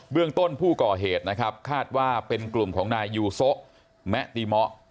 เรื่องต้นผู้ก่อเหตุนะครับคาดว่าเป็นกลุ่มของนายยูโซะแมะติเมาะ